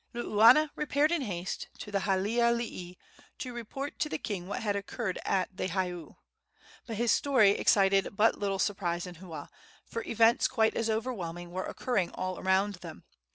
Luuana repaired in haste to the halealii to report to the king what had occurred at the heiau. But his story excited but little surprise in Hua, for events quite as overwhelming were occurring all around them.